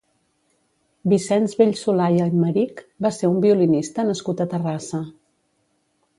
Vicenç Vellsolà i Aymerich va ser un violinista nascut a Terrassa.